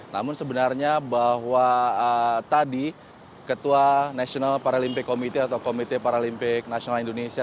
namun sebenarnya bahwa tadi ketua national paralympic committee atau komite paralympic national indonesia